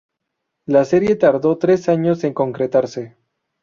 La serie tardó tres años en concretarse.